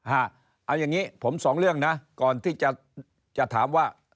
เอาอย่างนี้ผมสองเรื่องนะก่อนที่จะถามว่า